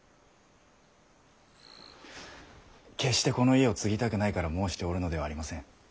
決してこの家を継ぎたくないから申しておるのではありません。